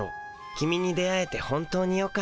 キミに出会えて本当によかった。